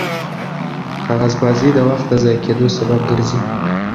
کاغذبازي د وخت د ضایع کېدو سبب ګرځي.